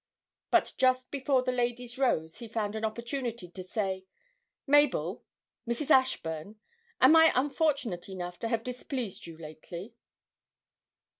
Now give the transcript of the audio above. But just before the ladies rose he found an opportunity to say, 'Mabel Mrs. Ashburn am I unfortunate enough to have displeased you lately?'